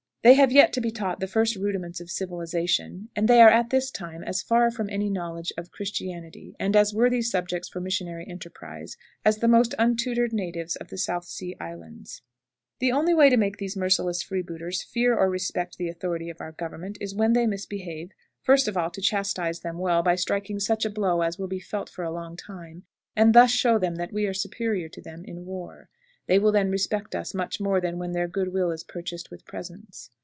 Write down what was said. They have yet to be taught the first rudiments of civilization, and they are at this time as far from any knowledge of Christianity, and as worthy subjects for missionary enterprise, as the most untutored natives of the South Sea Islands. [Illustration: KEEP AWAY!] The only way to make these merciless freebooters fear or respect the authority of our government is, when they misbehave, first of all to chastise them well by striking such a blow as will be felt for a long time, and thus show them that we are superior to them in war. They will then respect us much more than when their good will is purchased with presents.